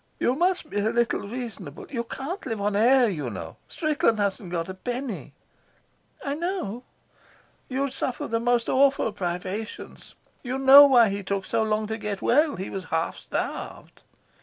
"You must be a little reasonable. You can't live on air, you know. Strickland hasn't got a penny." "I know." "You'll suffer the most awful privations. You know why he took so long to get well. He was half starved."